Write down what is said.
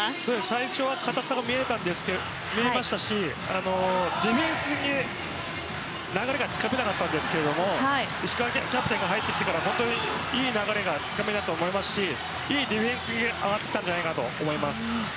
最初は硬さが見えましたしディフェンスに流れがつかめなかったんですけど石川キャプテンが入ってからいい流れがつかめたと思いますしいいディフェンスが上がってきたんじゃないかと